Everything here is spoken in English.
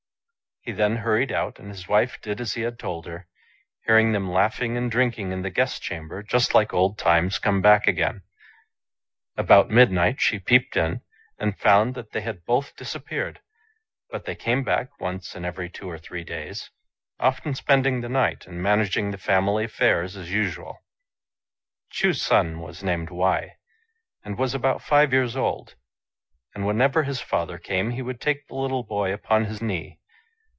He then hurried out, and his wife did as he had told her, hearing them laughing and drinking in the guest chamber just like old times come back again. About midnight she peeped in, and found that they had both dis appeared; but they came back once in every two or three days, often spending the night, and managing the family affairs as usual Chu's son was named Wei, and was about five years old ; and whenever his father came he would take the little boy upon his knee.